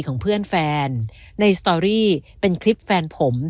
ของเพื่อนแฟนในสตอรี่เป็นคลิปแฟนผม